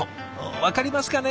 わかりますかね？